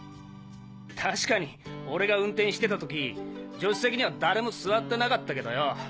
確かに俺が運転してた時助手席には誰も座ってなかったけどよ。